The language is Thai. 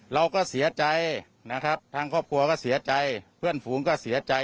เราก็เสียใจนะครับทางครอบครัวก็เสียใจเพื่อนฝูงก็เสียใจ